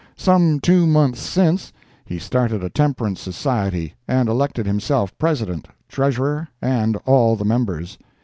Some two months since, he started a temperance society, and elected himself President, Treasurer, and all the members.